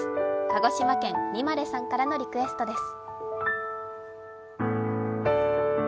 鹿児島県、みまれさんからのリクエストです。